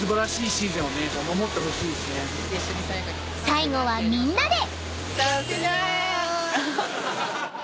［最後はみんなで］